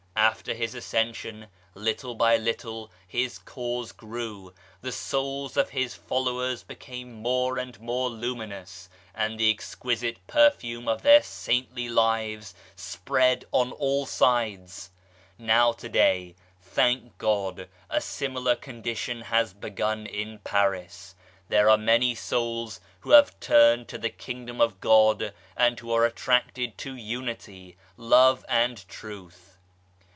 After His Ascension little by little His cause grew, the souls of His followers became more and more luminous, and the exquisite perfume of their saintly lives spread on all sides. Now to day, thank God, a similar condition has begun in Paris. There are many souls who have turned* to the Kingdom of God, and who are attracted to Unity, Love and Truth.